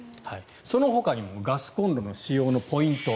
そのほかにもガスコンロの使用のポイント。